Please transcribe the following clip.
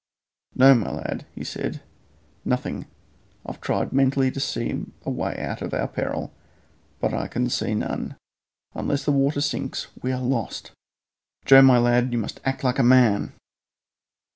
"No, my lad," he said, "nothing. I have tried mentally to see a way out of our peril, but I can see none. Unless the water sinks we are lost! Joe, my lad, you must act like a man!"